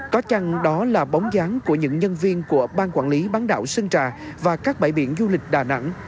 có chăng đó là bóng dáng của những nhân viên của ban quản lý bán đảo sơn trà và các bãi biển du lịch đà nẵng